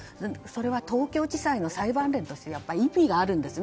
それは東京地裁の裁判例の中で意味があるんです。